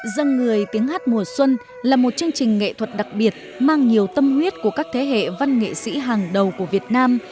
dân người tiếng hát mùa xuân là một chương trình nghệ thuật đặc biệt mang nhiều tâm huyết của các thế hệ văn nghệ sĩ hàng đầu của việt nam